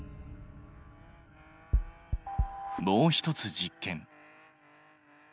もう一つ実験。